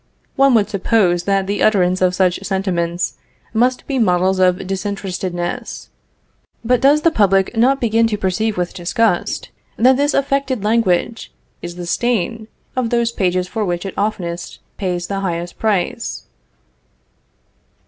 One would suppose that the utterers of such sentiments must be models of disinterestedness; but does the public not begin to perceive with disgust, that this affected language is the stain of those pages for which it oftenest pays the highest price?